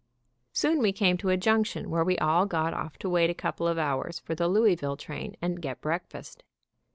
Soon we came to a junction where we all got off to wait a couple of hours for the Louisville train and get breakfast.